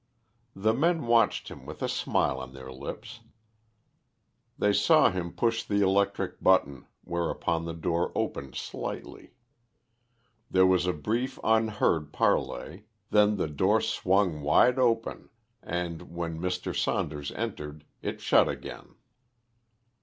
The men watched him with a smile on their lips. They saw him push the electric button, whereupon the door opened slightly. There was a brief, unheard parley; then the door swung wide open, and, when Mr. Saunders entered, it shut again.